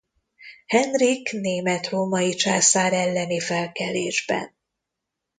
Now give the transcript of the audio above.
Henrik német-római császár elleni felkelésben.